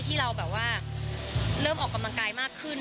ที่เราแบบว่าเริ่มออกกำลังกายมากขึ้น